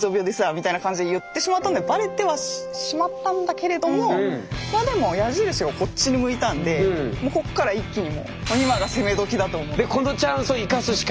みたいな感じで言ってしまったのでバレてはしまったんだけれどもまあでも矢印がこっちに向いたんでこっから一気にもうこのチャンスを生かすしかない。